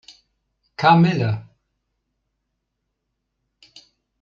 Kamelle!